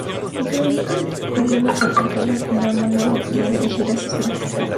Perdió la facultad de acuñar moneda y la de elegir a sus magistrados.